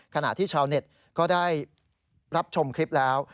ขณะที่ชาวเน็ตก็ได้รับชมคลิปแล้ว